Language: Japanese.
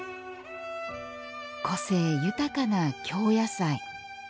個性豊かな京野菜。